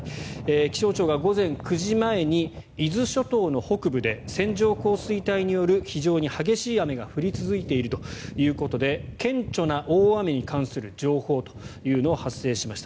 気象庁が午前９時前に伊豆諸島の北部で線状降水帯による非常に激しい雨が降り続いているということで顕著な大雨に関する情報というのを発生しました。